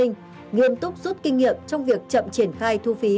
nghiêm túc rút kinh nghiệm trong việc chậm triển khai thu phí